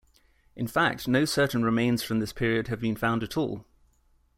In fact no certain remains from this period have been found at all.